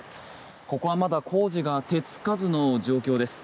ここはまだ工事が手付かずの状況です。